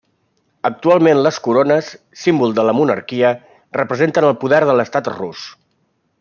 Actualment les corones, símbol de la monarquia, representen el poder de l'Estat rus.